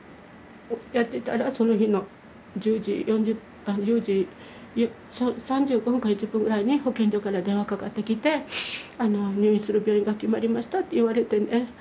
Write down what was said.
やってたらその日の１０時１０時３５分か４０分ぐらいに保健所から電話かかってきて「入院する病院が決まりました」って言われてね。